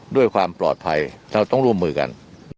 ด้วยความปลอดภัยเราต้องร่วมมือกัน